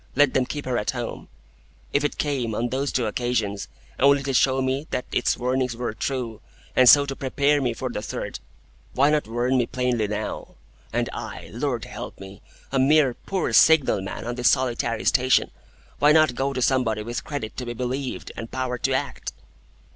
Let them keep her at home'? If it came, on those two occasions, only to show me that its warnings were true, and so to prepare me for the third, why not warn me plainly now? And I, Lord help me! A mere poor signal man on this solitary station! Why not go to somebody with credit to be believed, and power to act?"